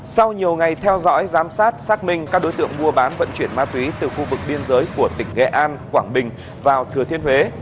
sau nhiều ngày theo dõi giám sát xác minh các đối tượng mua bán vận chuyển ma túy từ khu vực biên giới của tỉnh nghệ an quảng bình vào thừa thiên huế